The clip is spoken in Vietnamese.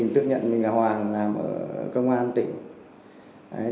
tức nhận mình là hoàng làm ở công an tỉnh